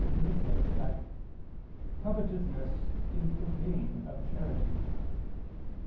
36), that "covetousness is the bane of charity."